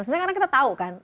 sebenarnya karena kita tahu kan